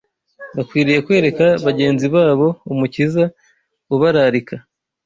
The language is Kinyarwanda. Bakwiriye kwereka bagenzi babo Umukiza ubararika